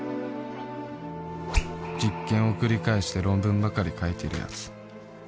実験を繰り返して論文ばかり書いてるヤツ